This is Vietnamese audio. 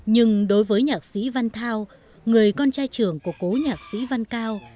nhưng đối với nhạc sĩ văn thao người con trai trường của cố nhạc sĩ văn cao